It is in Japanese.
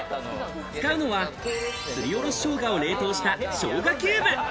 使うのはすりおろしショウガを冷凍したショウガキューブ。